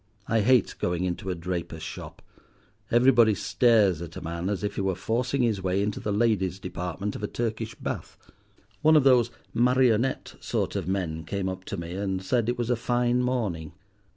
I hate going into a draper's shop; everybody stares at a man as if he were forcing his way into the ladies' department of a Turkish bath. One of those marionette sort of men came up to me and said it was a fine morning.